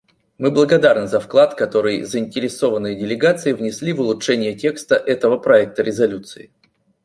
Мы благодарны за вклад, который заинтересованные делегации внесли в улучшение текста этого проекта резолюции.